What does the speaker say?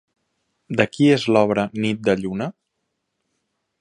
De qui és l'obra Nit de lluna?